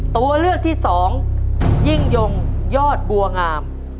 ตัวเลือกที่สองยิ่งยงยอดบัวงาม